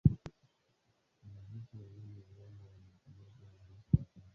Wanajeshi wawili wa Rwanda wamekamatwa na jeshi la Kongo